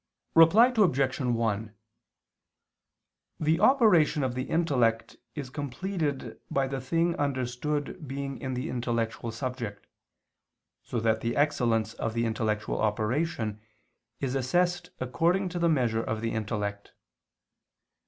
Reply Obj. 1: The operation of the intellect is completed by the thing understood being in the intellectual subject, so that the excellence of the intellectual operation is assessed according to the measure of the intellect.